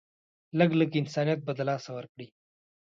لږ لږ انسانيت به د لاسه ورکړي